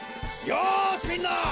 よしみんな！